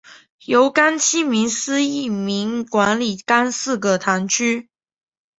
由廿七名司铎名管理廿四个堂区。